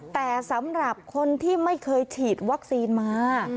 แต่สำหรับคนที่ไม่เคยฉีดวัคซีนมา